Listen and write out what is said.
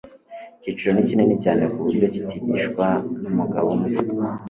icyiciro ni kinini cyane kuburyo kitigishwa numugabo umwe